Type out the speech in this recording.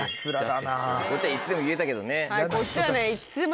こっちはいつでも言えたけどね。